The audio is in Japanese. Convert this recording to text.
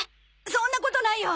そんなことないよ！